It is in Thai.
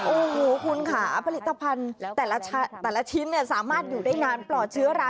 โอ้โหคุณค่ะผลิตภัณฑ์แต่ละชิ้นสามารถอยู่ได้นานปลอดเชื้อรา